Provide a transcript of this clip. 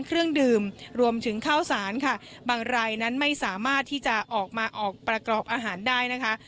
เครื่องดื่มรวมถึงข้าวสารค่ะบางรายนั้นไม่สามารถที่จะออกมาออกประกอบอาหารได้นะคะ